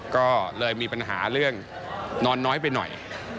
ก็เลยมีปัญหาเรื่องนอนน้อยไปหน่อย